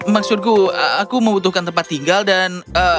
maksudku aku membutuhkan tempat tinggal dan